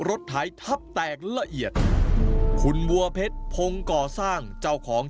ไถทับแตกละเอียดคุณบัวเพชรพงก่อสร้างเจ้าของ